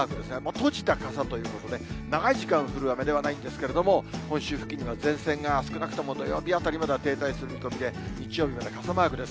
閉じた傘ということで、長い時間降る雨ではないんですけれども、本州付近には前線が、少なくとも土曜日あたりまでは停滞する見込みで、日曜日まで傘マークです。